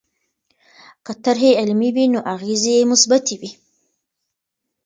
که طرحې علمي وي نو اغېزې یې مثبتې وي.